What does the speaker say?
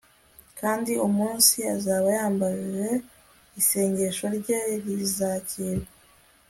kandi umunsi azaba yambaje, isengesho rye rizakirwa